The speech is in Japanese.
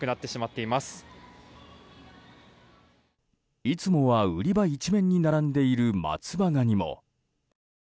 いつもは売り場一面に並んでいる松葉ガニも。